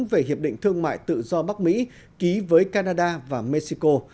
về hiệp định thương mại tự do bắc mỹ ký với canada và mexico